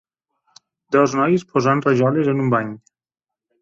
Dos nois posant rajoles en un bany.